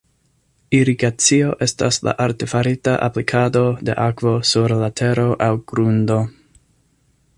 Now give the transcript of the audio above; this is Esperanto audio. Irigacio estas la artefarita aplikado de akvo sur la tero aŭ grundo.